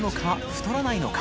太らないのか？